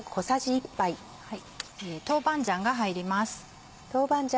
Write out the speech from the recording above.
豆板醤が入ります。